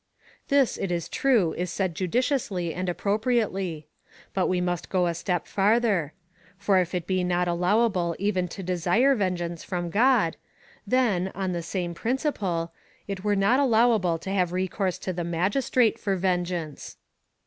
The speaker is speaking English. ^ This, it is time, is said judiciously and appropriately ; but we must go a step farther ; for if it be not allowable even to desire vengeance from God, then, on the same principle, it were not allowable to have recourse to the magistrate for vengeance.